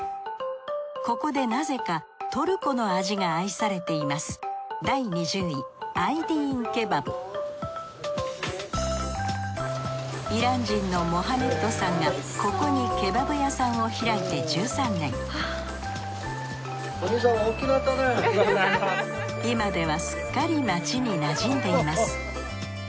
ここでなぜかトルコの味が愛されていますイラン人のモハメッドさんがここにケバブ屋さんを開いて１３年今ではすっかり街になじんでいます。